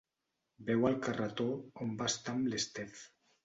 Veu el carreró on va estar amb l'Steph.